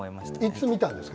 いつ見たんですか？